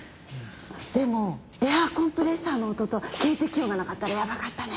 でもエアコンプレッサーの音と警笛音がなかったらやばかったね！